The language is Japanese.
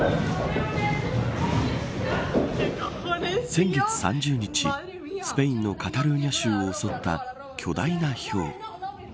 先月３０日スペインのカタルーニャ州を襲った巨大なひょう。